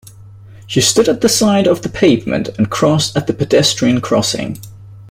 She stood at the side of the pavement, and crossed at the pedestrian crossing